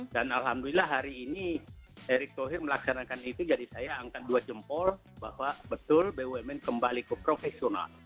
dan alhamdulillah hari ini erick thohir melaksanakan itu jadi saya angkat dua jempol bahwa betul bumn kembali ke profesional